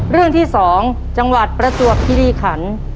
เรื่องที่๒จังหวัดประจวบคิริขัน